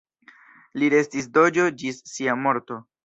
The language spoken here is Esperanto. Li restis doĝo ĝis sia morto.